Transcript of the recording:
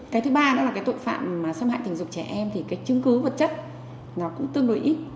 cái thứ ba đó là cái tội phạm xâm hại tình dục trẻ em thì cái chứng cứ vật chất nó cũng tương đối ít